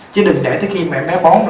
chứ đừng để tới khi mẹ bé bón rồi